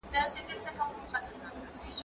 زه پرون سبا ته فکر وکړ!.